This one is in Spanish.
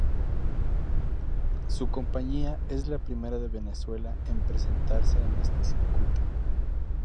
Su compañía es la primera de Venezuela en presentarse en este circuito.